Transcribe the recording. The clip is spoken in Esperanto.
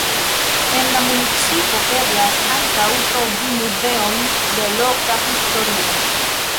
En la municipo eblas ankaŭ trovi muzeon de loka historio.